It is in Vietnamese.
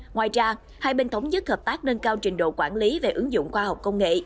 ngoài ra hai bên thống nhất hợp tác nâng cao trình độ quản lý về ứng dụng khoa học công nghệ